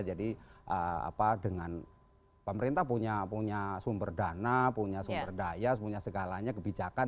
dengan pemerintah punya sumber dana punya sumber daya punya segalanya kebijakan